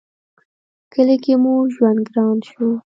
کلي کې مو ژوند گران شو